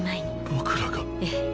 僕らが？ええ。